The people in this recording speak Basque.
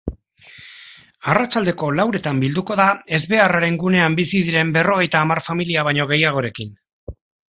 Arratsaldeko lauretan bilduko da ezbeharraren gunean bizi diren berrogeita hamar familia baino gehiagorekin.